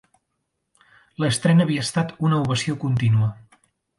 L'estrena havia estat una ovació contínua